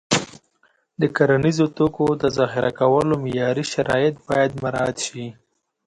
د کرنیزو توکو د ذخیره کولو معیاري شرایط باید مراعت شي.